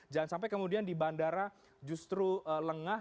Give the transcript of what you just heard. jangan sampai kemudian di bandara justru lengah